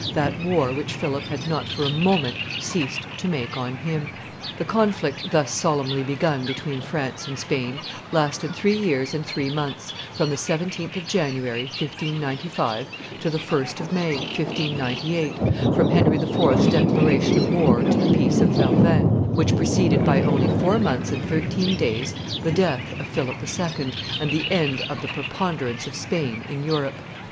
that war which Philip had not for a moment ceased to make on him. The conflict thus solemnly begun between France and Spain lasted three years and three months, from the 17th of January, 1595, to the 1st of May, 1598, from Henry IV.'s declaration of war to the peace of Vervins, which preceded by only four months and thirteen days the death of Philip II. and the end of the preponderance of Spain in Europe.